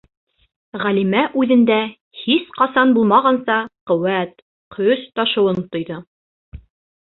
Ғәлимә үҙендә һис ҡасан булмағанса ҡеүәт, көс ташыуын тойҙо.